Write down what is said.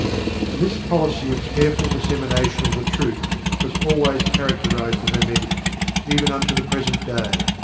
And this policy of careful dissemination of the truth has always characterized the Hermetics, even unto the present day.